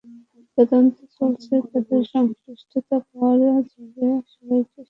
তদন্ত চলছে, যাঁদের সংশ্লিষ্টতা পাওয়া যাবে, সবাইকে শাস্তি ভোগ করতে হবে।